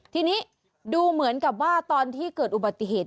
ทีนี้ดูเหมือนกับว่าตอนที่เกิดอุบัติเหตุ